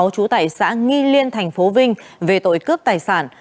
trú tại xã nghi liên tp vinh về tội cướp tài sản